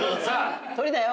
トリだよ。